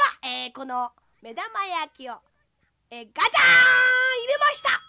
このめだまやきをガチャン！いれました！